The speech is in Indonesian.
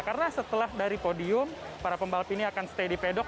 karena setelah dari podium para pembalap ini akan stay di pedok